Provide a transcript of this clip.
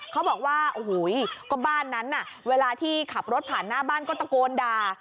เขาบอกว่าโอ้โหก็บ้านนั้นน่ะเวลาที่ขับรถผ่านหน้าบ้านก็ตะโกนด่า